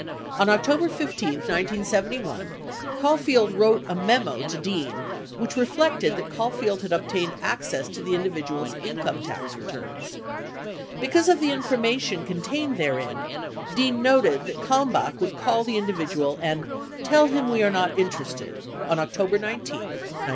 On October 15, 1971, Caulfield wrote a memo to Dean which reflected that Caulfield had obtained access to the individual's income tax returns. 45 Because of the information con tained therein, Dean noted that Kalmbach would call the individual and "tell him we are not interested" on October 19, 1971.